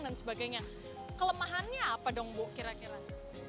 sebagainya kelemahannya apa dong bu kira kira